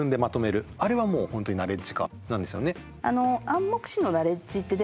あれはもう本当にナレッジ化なんですよね。